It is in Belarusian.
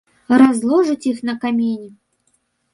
Разложыць іх на камені.